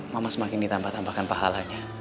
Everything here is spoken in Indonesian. mama semakin ditambah tambahkan pahalanya